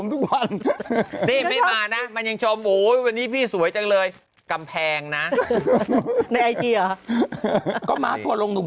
ทุกวันเนี่ยดาวมุ่ยมันยังจอมโว้ยวันนี้พี่สวยจังเลยกำแพงนะก็มาพอลง